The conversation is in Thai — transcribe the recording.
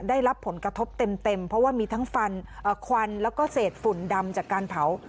ได้รับผลกระทบเต็มเพราะว่ามีทั้งฟันควันแล้วก็เศษฝุ่นดำจากการเผา